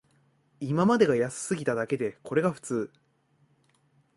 今までが安すぎただけで、これが普通